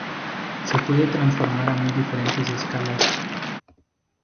Se puede transformar a muy diferentes escalas.